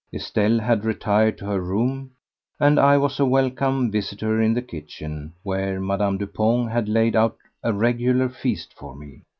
Estelle had retired to her room, and I was a welcome visitor in the kitchen, where Madame Dupont had laid out a regular feast for me.